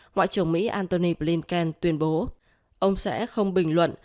ngoại trưởng mỹ antony blinken tuyên bố ông sẽ không bình luận